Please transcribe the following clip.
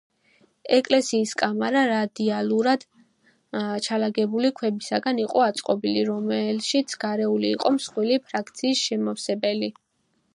ეკლესიის კამარა, რადიალურად ჩალაგებული ქვებისგან იყო აწყობილი, რომელშიც გარეული იყო მსხვილი ფრაქციის შემავსებელი.